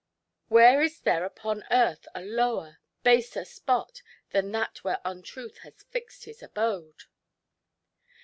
Where is there upon earth a lower, baser spot than that where Untruth has fixed his abode